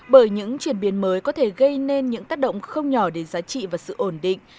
bởi những chuyển biến mới có thể gây nên những tác động không nhỏ đến giá trị và sự ổn định